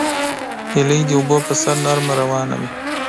هیلۍ د اوبو پر سر نرمه روانه وي